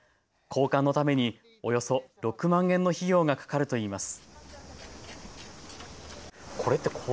交換のためにおよそ６万円の費用がかかるといいます。